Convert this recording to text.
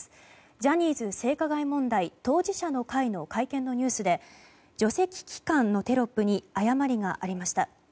ジャニーズ性加害問題当事者の会の会見のニュースで「じょせききかん」のテロップに誤りがありました。